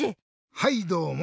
はいどうも。